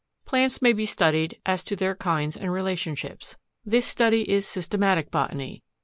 2. Plants may be studied as to their kinds and relationships. This study is SYSTEMATIC BOTANY.